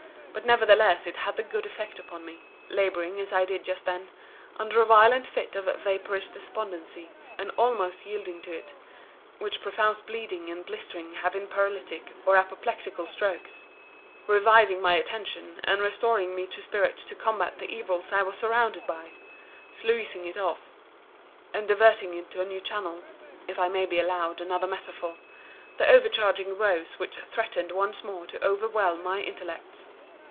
But nevertheless it had the good effect upon me (labouring, as I did just then, under a violent fit of vapourish despondency, and almost yielding to it) which profuse bleeding and blisterings have in paralytic or apoplectical strokes; reviving my attention, and restoring me to spirits to combat the evils I was surrounded by—sluicing off, and diverting into a new channel, (if I may be allowed another metaphor,) the overcharging woes which threatened once more to overwhelm my intellects.